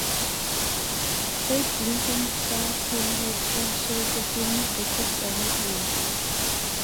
Eight uniform star polyhedra share the same vertex arrangement.